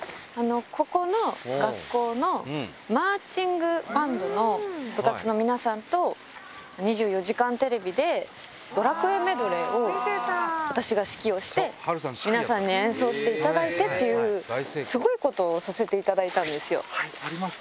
ここの学校のマーチングバンドの部活の皆さんと、２４時間テレビで、ドラクエメドレーを私が指揮をして、皆さんに演奏していただいてっていう、すごいことをさせていただいたんですよ。